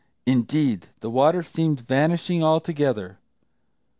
Indeed, the water seemed vanishing altogether.